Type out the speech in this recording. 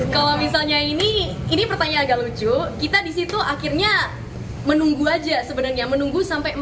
kalau misalnya ini ini pertanyaan agak lucu kita disitu akhirnya menunggu aja sebenarnya menunggu sampai